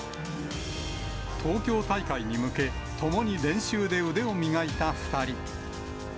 東京大会に向け、共に練習で腕を磨いた２人。